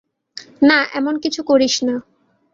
না, এমন কিছু করিস না।